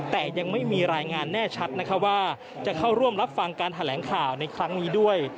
แต่ยังไม่มีรายงานแน่ชัดนะคะว่าจะเข้าร่วมรับฟังการแถลงข่าวในครั้งนี้ด้วย